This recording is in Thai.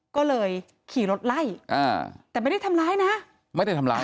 ก็เลยขี่รถไล่อ่าแต่ไม่ได้ทำร้ายนะไม่ได้ทำร้าย